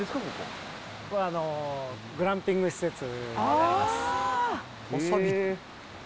ここはグランピング施設になります。